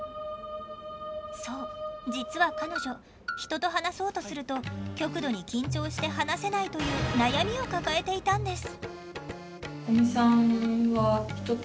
そう実は彼女人と話そうとすると極度に緊張して話せないという悩みを抱えていたんです。